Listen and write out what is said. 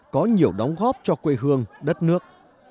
có nhiều đóng góp cho quê hương đất nước